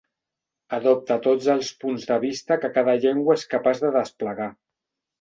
Adopta tots els punts de vista que cada llengua és capaç de desplegar.